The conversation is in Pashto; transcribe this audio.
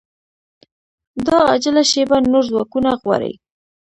دا عاجله شېبه نور ځواکونه غواړي